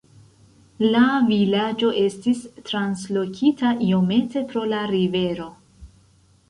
La vilaĝo estis translokita iomete pro la rivero.